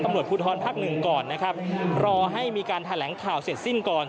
ตำรวจภูทรภาคหนึ่งก่อนนะครับรอให้มีการแถลงข่าวเสร็จสิ้นก่อน